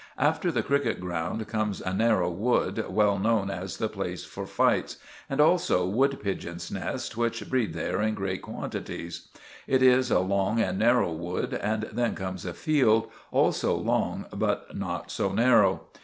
After the cricket ground comes a narrow wood, well known as the place for fights, and also wood pigeons' nests, which breed there in great quantities. It is a long and narrow wood, and then comes a field, also long but not so narrow.